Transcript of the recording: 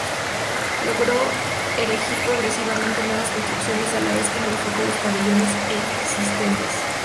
Logró erigir progresivamente nuevas construcciones, a la vez que modificó los pabellones existentes.